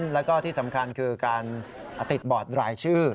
แล้วก็ที่สำคัญคือการติดบอร์ดรายชื่อ